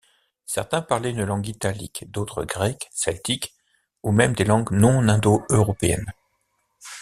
Certains parlaient une langue italique, d'autres grec, celtique, ou même des langues non indo-européennes.